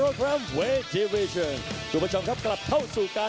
รับการนี้คือการนักคลอร์นราชฌาศีมา